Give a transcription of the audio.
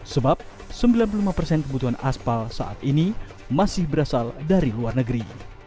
sebab sembilan puluh lima persen kebutuhan aspal saat ini masih berasal dari luar negeri